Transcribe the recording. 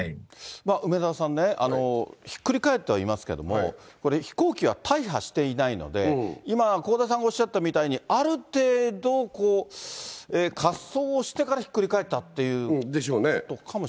梅沢さん、ひっくり返ってはいますけれども、これ、飛行機は大破していないので、今、香田さんがおっしゃったみたいに、ある程度、滑走をしてからひっくでしょうね。